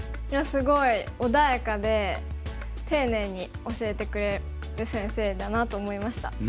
いやすごい穏やかで丁寧に教えてくれる先生だなと思いました。